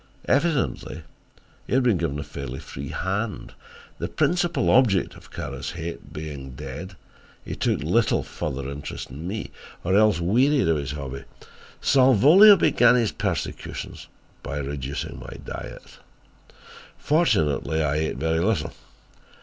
Evidently he had been given a fairly free hand. The principal object of Kara's hate being dead, he took little further interest in me, or else wearied of his hobby. Salvolio began his persecutions by reducing my diet. Fortunately I ate very little.